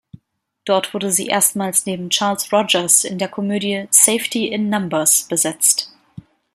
Dort wurde sie erstmals neben Charles Rogers in der Komödie "Safety in Numbers" besetzt.